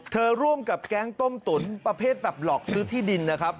ร่วมกับแก๊งต้มตุ๋นประเภทแบบหลอกซื้อที่ดินนะครับ